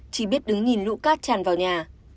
chị biết đứng nhìn lũ cát chàn vào nhà